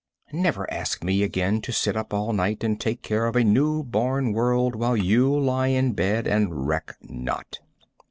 Never ask me again to sit up all night and take care of a newborn world, while you lie in bed and reck not."